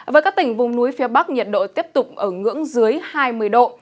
với các tỉnh vùng núi phía bắc nhiệt độ tiếp tục ở ngưỡng dưới hai mươi độ